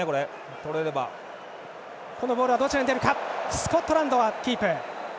スコットランドがキープ。